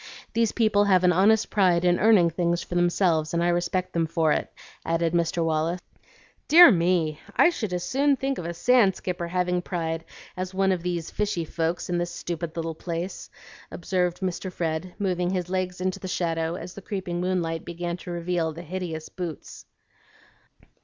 These people have an honest pride in earning things for themselves, and I respect them for it," added Mr. Wallace. "Dear me! I should as soon think of a sand skipper having pride as one of these fishy folks in this stupid little place," observed Mr. Fred, moving his legs into the shadow as the creeping moonlight began to reveal the hideous boots.